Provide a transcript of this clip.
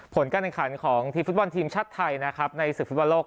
ผลกำลังขันของธีมฟุตบอลธีมชาติไทยนะครับในศึกฟิฟิฟ์ฟิฟอลโลก